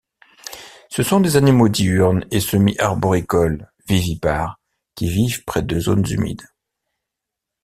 Ce sont des animaux diurnes et semi-arboricoles, vivipares, qui vivent près de zones humides.